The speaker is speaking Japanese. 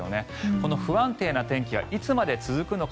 この不安定な天気はいつまで続くのか。